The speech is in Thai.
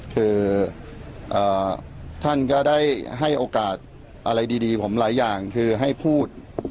คือท่านก็ได้ให้โอกาสอะไรดีผมหลายอย่างคือให้พูด